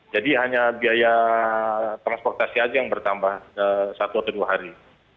jadi hanya biaya transportasi saja yang bertambah satu atau dua hari